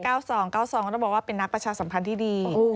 ต้องบอกว่าเป็นนักประชาสัมพันธ์ที่ดี